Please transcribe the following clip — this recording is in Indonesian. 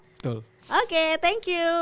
betul oke thank you